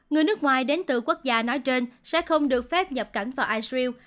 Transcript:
người nước ngoài đến từ quốc gia nói trên sẽ không được phép nhập cảnh vào irew